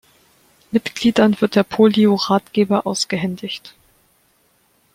Mitgliedern wird der Polio-Ratgeber ausgehändigt.